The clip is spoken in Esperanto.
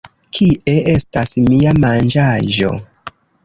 Kie estas mia manĝaĵo?